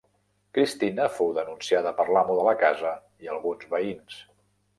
Cristina fou denunciada per l'amo de la casa i alguns veïns.